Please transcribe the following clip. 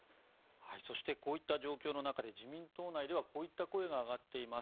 そしてこういった状況の中で自民党内ではこういった声が上がっています。